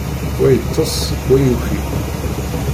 Wa yeṭṭes, wa yuki.